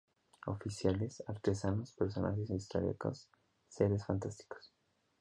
Oficiales, artesanos, personajes históricos, seres fantásticos.